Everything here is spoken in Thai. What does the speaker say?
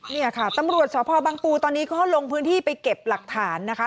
นี่ค่ะตำรวจชภบางปู่ตอนนี้เขามันลงพื้นที่ไปเก็บหลักฐานนะคะ